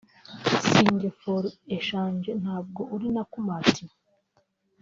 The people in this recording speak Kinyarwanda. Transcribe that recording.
sinjye for exchange ntabwo uri Nakumatt